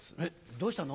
どうしたの？